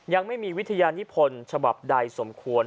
ยังไม่มีวิทยานิพลฉบับใดสมควร